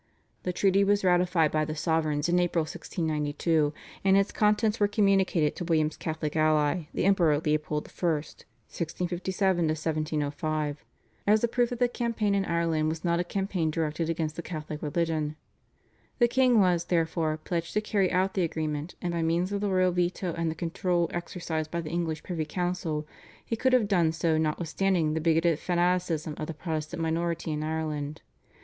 " The Treaty was ratified by the sovereigns in April 1692, and its contents were communicated to William's Catholic ally, the Emperor Leopold I. (1657 1705) as a proof that the campaign in Ireland was not a campaign directed against the Catholic religion. The king was, therefore, pledged to carry out the agreement, and by means of the royal veto and the control exercised by the English privy council he could have done so notwithstanding the bigoted fanaticism of the Protestant minority in Ireland.